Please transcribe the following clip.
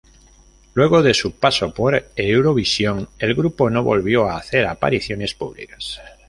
Luego de su paso por Eurovisión, el grupo no volvió a hacer apariciones públicas.